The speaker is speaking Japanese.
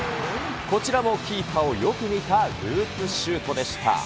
こちらもキーパーをよく見たループシュートでした。